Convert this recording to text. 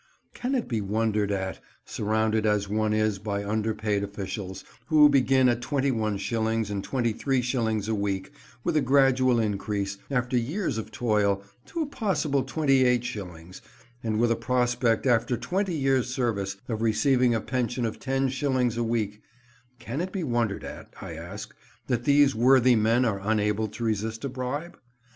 Can it be wondered at—surrounded as one is by underpaid officials, who begin at twenty one shillings and twenty three shillings a week, with a gradual increase, after years of toil, to a possible twenty eight shillings, and with a prospect, after twenty years' service, of receiving a pension of ten shillings a week—can it be wondered at, I ask, that these worthy men are unable to resist a bribe?